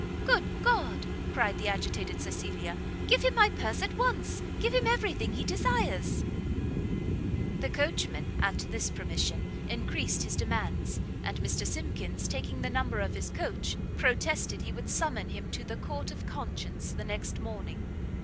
"Good God!" cried the agitated Cecilia, "give him my purse at once! give him every thing he desires!" The coachman, at this permission, encreased his demands, and Mr Simkins, taking the number of his coach, protested he would summons him to the Court of Conscience the next morning.